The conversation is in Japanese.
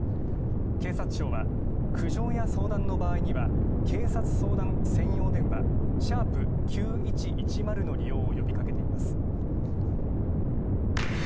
警察庁は苦情は相談の場合は警察相談専用電話、＃９１１０の利用を呼びかけています。